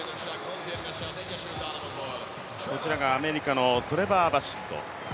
こちらがアメリカのトレバー・バシット。